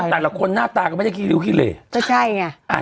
แต่แต่ละคนหน้าตาก็ไม่ได้คี่ริ้วคี่เรจะใช่ไงอ่า